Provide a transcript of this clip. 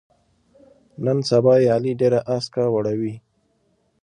نن سبا یې علي ډېره اسکه وړوي.